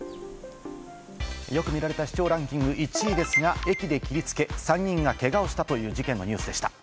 よく見られた視聴ランキング１位ですが、駅で切りつけ、３人がけがをしたという事件のニュースでした。